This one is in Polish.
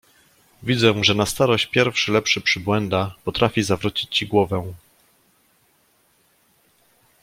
"Widzę, że na starość pierwszy lepszy przybłęda potrafi zawrócić ci głowę!"